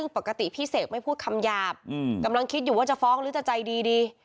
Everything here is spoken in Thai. ปกติพี่เสกไม่พูดคำหยาบกำลังคิดอยู่ว่าจะฟ้องหรือจะใจดี